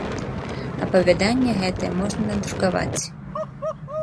Апавяданне гэтае можна надрукаваць.